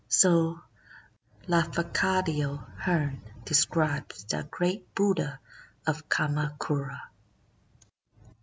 So Lafcadio Hearn describes the great Buddha of Kama kura.